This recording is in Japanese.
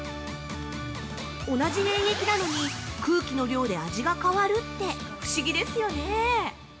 同じ原液なのに空気の量で味が変わるって不思議ですよね。